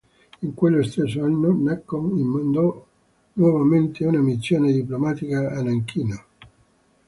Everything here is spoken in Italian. In quello stesso anno, Nakhon In mandò nuovamente una missione diplomatica a Nanchino.